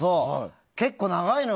結構長いのよ。